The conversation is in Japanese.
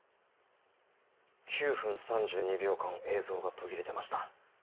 ９分３２秒間映像が途切れてました。